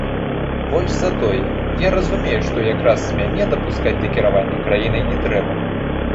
Больш за тое, я разумею, што якраз мяне дапускаць да кіравання краінай не трэба.